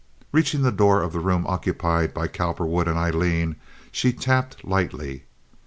Reaching the door of the room occupied by Cowperwood and Aileen, she tapped lightly.